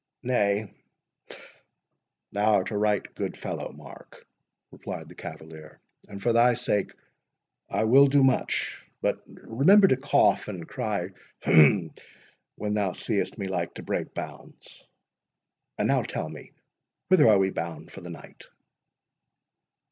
"Nay, thou art a right good fellow, Mark," replied the cavalier; "and for thy sake I will do much—but remember to cough, and cry hem! when thou seest me like to break bounds. And now, tell me whither we are bound for the night."